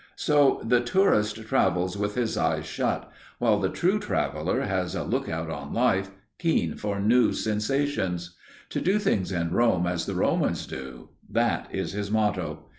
So the tourist travels with his eyes shut, while the true traveller has a lookout on life, keen for new sensations. To do things in Rome as the Romans do, that is his motto.